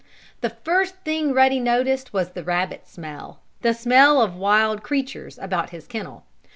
The first thing Ruddy noticed was the rabbit smell the smell of wild creatures about his kennel.